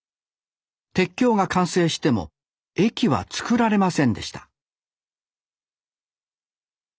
鉄橋が完成しても駅は作られませんでした